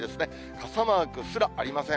傘マークすらありません。